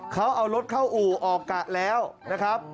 เขาเอารถเข้าอู่ออกกะแล้วนะครับ